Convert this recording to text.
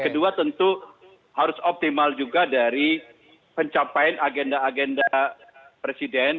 kedua tentu harus optimal juga dari pencapaian yang diperlukan dari partai partai pendukung itu